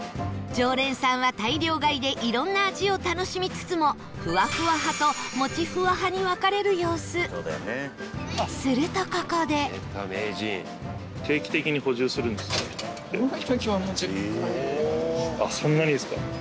常連さんは大量買いでいろんな味を楽しみつつもふわふわ派ともちふわ派に分かれる様子すると、ここでスタッフ：そんなにですか。